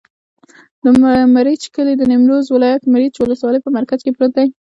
د مريچ کلی د نیمروز ولایت، مريچ ولسوالي په مرکز کې پروت دی.